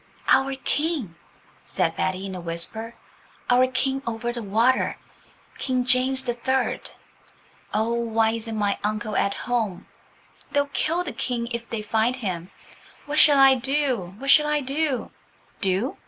"Our King," said Betty in a whisper–"our King over the water–King James the Third. Oh, why isn't my uncle at home? They'll kill the King if they find him. What shall I do? What shall I do?" "Do?"